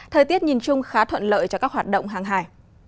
thời tiết nhìn chung khá thuận lợi cho các hoạt động hàng hải